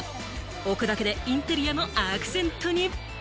置くだけでインテリアのアクセントに。